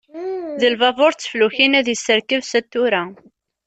Di lbabur d teflukin, ad yesserkeb sut tura.